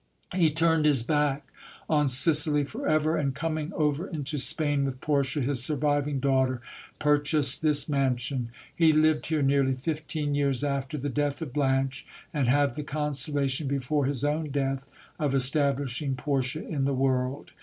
He turned his back on Sicily for ever ; and, coming over into Spain with Portia, his surviving daughter, purchased this mansion. He lived here nearly fifteen years after the death of Blanche, and had the consolation, before his own death, of establishing Portia in the world.